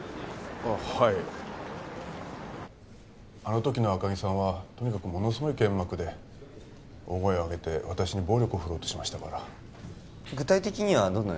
あッはいあのときの赤木さんはとにかくものすごい剣幕で大声をあげて私に暴力をふるおうとしましたから具体的にはどんな？